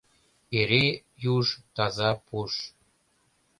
Эре юж Таза пуш